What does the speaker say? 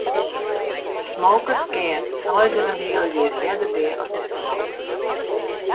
Smokers geane seis en in heal jier earder dea as net-smokers.